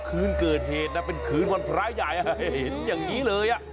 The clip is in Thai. คืนเกิดเหตุนะเป็นคืนวันพระใหญ่เห็นอย่างนี้เลย